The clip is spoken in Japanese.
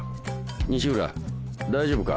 西浦大丈夫か？